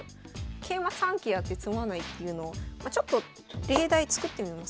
桂馬三桂あって詰まないっていうのちょっと例題作ってみますか。